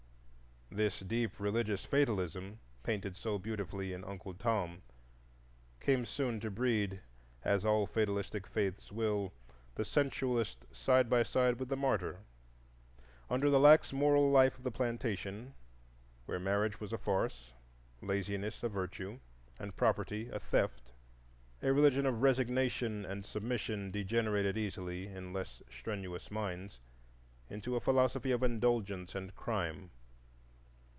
This deep religious fatalism, painted so beautifully in "Uncle Tom," came soon to breed, as all fatalistic faiths will, the sensualist side by side with the martyr. Under the lax moral life of the plantation, where marriage was a farce, laziness a virtue, and property a theft, a religion of resignation and submission degenerated easily, in less strenuous minds, into a philosophy of indulgence and crime.